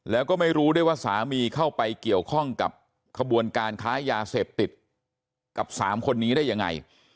แล้วก็ไม่รู้ด้วยว่าสามีเข้าไปเกี่ยวข้องกับขบวนการค้ายาเสพติดกับ๓คนนี้ได้ยังไง